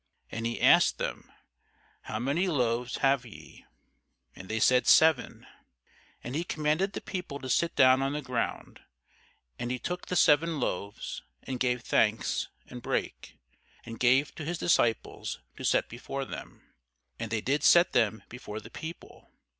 And he asked them, How many loaves have ye? And they said, Seven. And he commanded the people to sit down on the ground: and he took the seven loaves, and gave thanks, and brake, and gave to his disciples to set before them; and they did set them before the people.